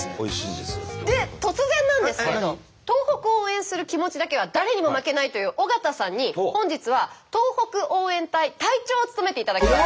で突然なんですけれど東北を応援する気持ちだけは誰にも負けないという尾形さんに本日は東北応援隊隊長を務めていただきます。